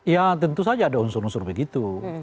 ya tentu saja ada unsur unsur begitu